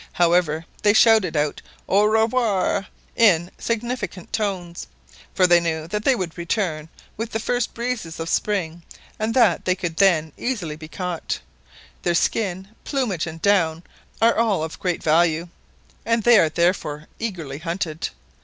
However, they shouted out "au revoir" in significant tones, for they knew that they would return with the first breezes of spring and that they could then be easily caught. Their skin, plumage, and down, are all of great value, and they are therefore eagerly hunted.